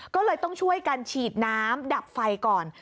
ก็เลยต้องช่วยกันฉีดน้ำดับไฟก่อน